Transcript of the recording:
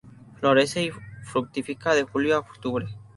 Florece y fructifica de julio a octubre.